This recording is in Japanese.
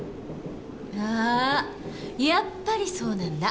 ああやっぱりそうなんだ。